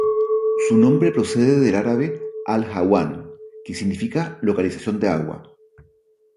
Su nombre procede del árabe Al-hawan, que significa localización de agua.